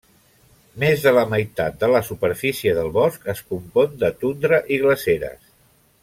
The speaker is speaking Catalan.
Més de la meitat de la superfície del bosc es compon de tundra i glaceres.